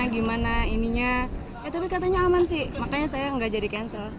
gimana ininya tapi katanya aman sih makanya saya nggak jadi cancel